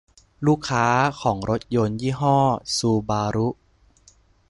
ลูกค้าของรถยนต์ยี่ห้อซูบารุ